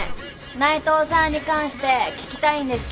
内藤さんに関して聞きたいんですけど。